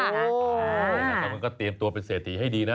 แล้วมันก็เตรียมตัวเป็นเศรษฐีให้ดีนะ